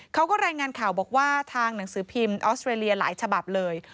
เขาก็รายงานข่าวบอกว่าทางหนังสือพิมพ์ออสเตรเลียหลายฉบับเลย